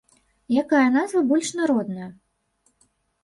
Якая назва больш народная?